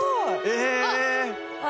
え